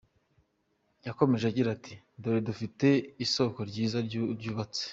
Yakomeje agira ati “Dore dufite isoko ryiza ryubatse.